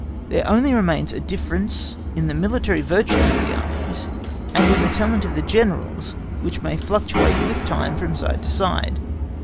There only remains a difference in the military virtue of Armies, and in the talent of Generals which may fluctuate with time from side to side.